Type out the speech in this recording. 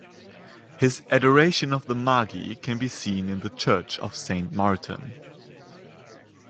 His "Adoration of the Magi" can be seen in the church of Saint Martin.